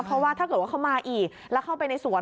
เพราะว่าถ้าเกิดว่าเขามาอีกแล้วเข้าไปในสวน